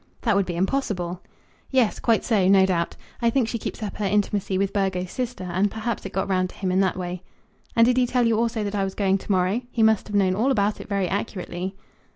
"That would be impossible." "Yes; quite so, no doubt. I think she keeps up her intimacy with Burgo's sister, and perhaps it got round to him in that way." "And did he tell you also that I was going to morrow? He must have known all about it very accurately."